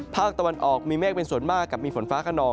ภาคตะวันออกมีเมฆเป็นส่วนมากกับมีฝนฟ้าขนอง